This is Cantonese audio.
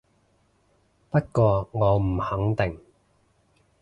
不過我唔肯定